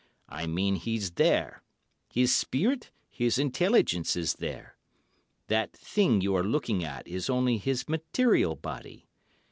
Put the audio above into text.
"I mean he's there—his spirit, his intelligence is there. That thing you are looking at is only his material body.